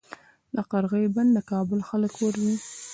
د قرغې بند د کابل خلک ورځي